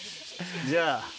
じゃあ。